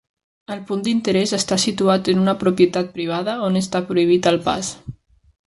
El punt d'interès està situat en una propietat privada on està prohibit el pas.